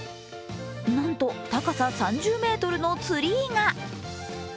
なんと高さ３０ｍのツリーが。